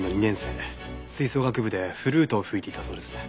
吹奏楽部でフルートを吹いていたそうですね。